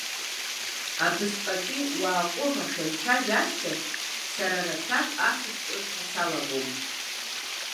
Абасҟатәи уаа-ҟәыӷа шәанцәажәа ашьҭахь, сара рацәак ацсҵоит ҳәа салагом.